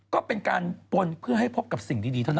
ก็เป็นการปนเพื่อให้พบกับสิ่งดีเท่านั้น